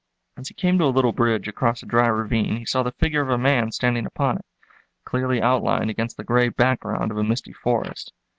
As he came to a little bridge across a dry ravine he saw the figure of a man standing upon it, clearly outlined against the gray background of a misty forest.